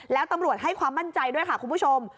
แล้วตำรวจให้ความมั่นใจด้วยค่ะคุณผู้ชม